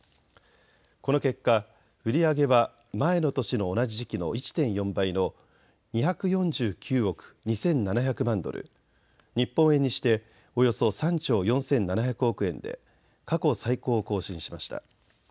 この結果、売り上げは前の年の同じ時期の１．４倍の２４９億２７００万ドル、日本円にしておよそ３兆４７００億円で過去最高を更新しました。